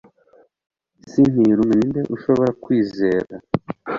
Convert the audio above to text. isi ntirume; ni nde ushobora kwizera